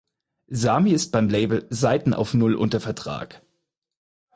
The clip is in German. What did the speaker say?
Sami ist beim Label "Seiten Auf Null" unter Vertrag.